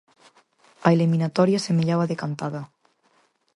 A eliminatoria semellaba decantada.